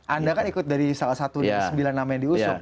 anda kan ikut dari salah satu sembilan nama yang diusung